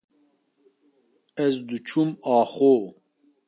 ez diçûm axo.